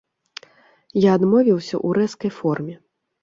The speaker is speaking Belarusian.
Я адмовіўся ў рэзкай форме.